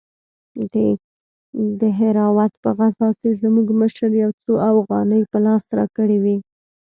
د دهراوت په غزا کښې زموږ مشر يو څو اوغانۍ په لاس راکړې وې.